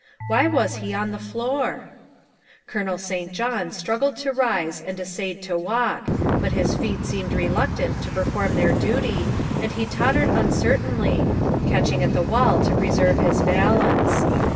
Why was he on the floor? Colonel St. John struggled to rise and essayed to walk, but his feet seemed reluctant to perform their duty and he tottered uncertainly, catching at the wall to preserve his balance.